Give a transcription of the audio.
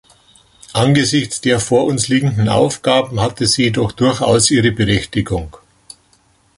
Angesichts der vor uns liegenden Aufgaben hatte sie jedoch durchaus ihre Berechtigung.